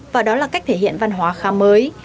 và đó là cách thể hiện văn hóa khá mới